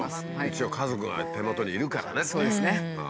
一応家族が手元にいるからねという。